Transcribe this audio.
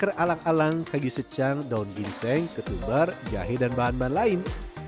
ada daun salam daun dewa akar alang alang kagi secang daun ginseng ketumbar jahe dan bahan bahan lain